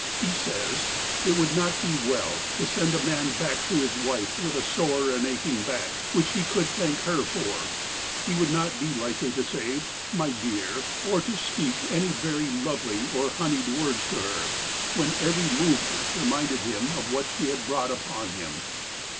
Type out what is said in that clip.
He says :" It would not be well to send a man back to his wife with a sore and aching back, which he could thank her for. He would not be likely to say: 'My dear,' or to speak any veiy lovely or honeyed words to her, when FROM JUDGE DUNCAN'S DOCKET 205 every movement reminded him of what she had brought upon him."